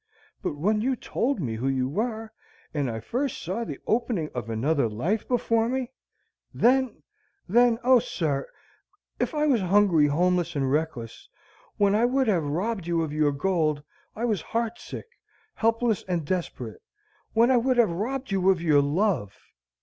But when you told me who you were, and I first saw the opening of another life before me then then O, sir, if I was hungry, homeless, and reckless, when I would have robbed you of your gold, I was heart sick, helpless, and desperate, when I would have robbed you of your love!"